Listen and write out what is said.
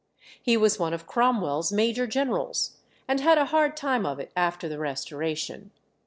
He was one of Cromwell's major generals, and had a hard time of it after the Restoration.